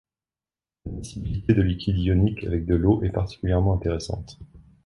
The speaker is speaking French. La miscibilité de liquides ioniques avec de l'eau est particulièrement intéressante.